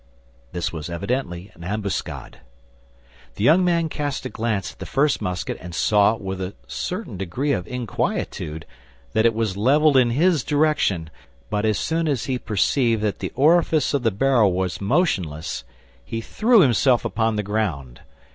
This was evidently an ambuscade. The young man cast a glance at the first musket and saw, with a certain degree of inquietude, that it was leveled in his direction; but as soon as he perceived that the orifice of the barrel was motionless, he threw himself upon the ground.